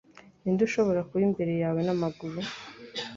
Ninde ushobora kuba imbere yawe n'amaguru